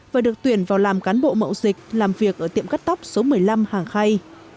và được tuyển vào làm cán bộ mậu dịch làm việc ở tiệm cắt tóc số một mươi năm hàng khay